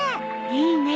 いいねえ。